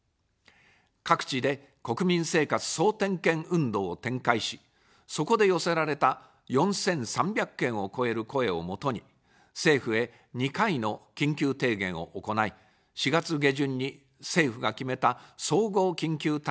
各地で国民生活総点検運動を展開し、そこで寄せられた４３００件を超える声をもとに、政府へ２回の緊急提言を行い、４月下旬に政府が決めた総合緊急対策に反映させました。